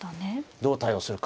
どう対応するか。